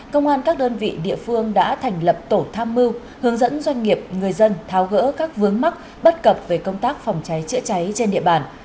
công an các đơn vị địa phương đã thành lập tổ tham mưu hướng dẫn doanh nghiệp người dân tháo gỡ các vướng mắc bất cập về công tác phòng cháy chữa cháy trên địa bàn